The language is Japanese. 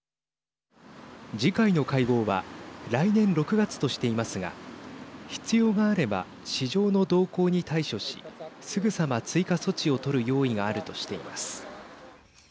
次回の会合は来年６月としていますが必要があれば市場の動向に対処しすぐさま追加措置を取る用意があるとしています。